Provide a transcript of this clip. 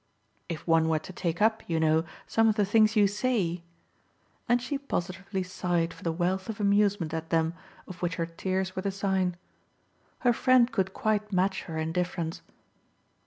"If one were to take up, you know, some of the things you say !" And she positively sighed for the wealth of amusement at them of which her tears were the sign. Her friend could quite match her indifference.